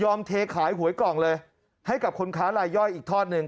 เทขายหวยกล่องเลยให้กับคนค้าลายย่อยอีกทอดหนึ่ง